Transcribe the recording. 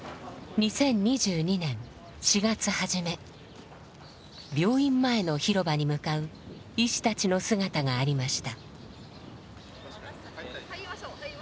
２０２２年４月初め病院前の広場に向かう医師たちの姿がありました。